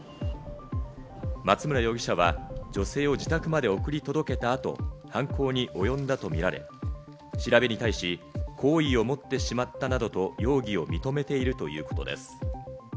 松村容疑者は女性を自宅まで送り届けた後、犯行におよんだとみられ、調べに対し、好意を持ってしまったなどと容疑を認めているということです。